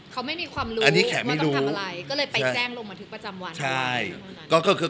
เขาไม่มีความรู้ว่าต้องทำอะไรก็เลยไปแจ้งลงบันทึกประจำวัน